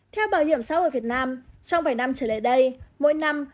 theo bảo hiểm xã hội việt nam trong vài năm trở lại đây mỗi năm